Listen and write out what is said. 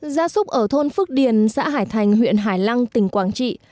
gia súc ở thôn phước điền xã hải thành huyện hải lăng tỉnh quảng trị